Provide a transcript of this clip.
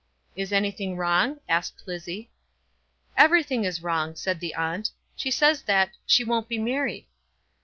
"Is anything wrong?" asked Lizzie. "Everything is wrong," said the aunt. "She says that she won't be married."